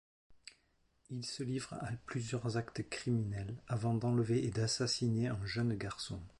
Ils se livrent à plusieurs actes criminels avant d'enlever et d'assassiner un jeune garçon.